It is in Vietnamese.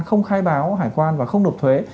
không khai báo hải quan và không nộp thuế